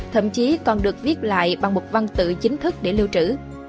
thậm chí còn được viết lại bằng một văn tự chính thức để lưu trữ